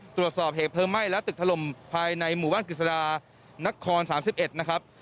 ตรวจสอบเหตุเพลิงไหม้และตึกถล่มภายในหมู่บ้านกฤษฎานคร๓๑นะครับ